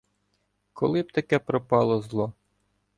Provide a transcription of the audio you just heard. Коли б таке пропало зло.